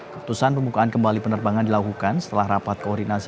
keputusan pembukaan kembali penerbangan dilakukan setelah rapat koordinasi